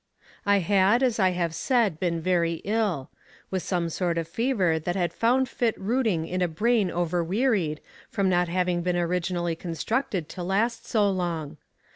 "'I had, as I have said, been very ill with some sort of fever that had found fit rooting in a brain overwearied, from not having been originally constructed to last so long.